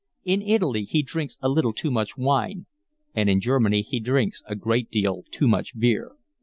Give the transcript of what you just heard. In Italy he drinks a little too much wine, and in Germany he drinks a great deal too much beer.